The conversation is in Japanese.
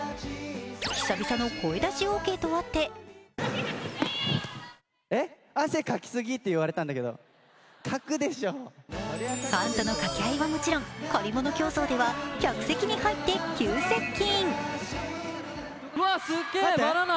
久々の声出しオーケーとあってファンとの掛け合いはもちろん、借り物競走では客席に入って急接近。